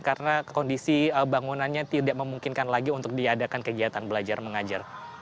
karena kondisi bangunannya tidak memungkinkan lagi untuk diadakan kegiatan belajar mengajar